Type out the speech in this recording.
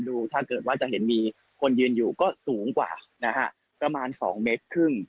ถ้าเกิดว่าจะเห็นมีคนยืนอยู่ก็สูงกว่านะฮะประมาณ๒เมตรครึ่ง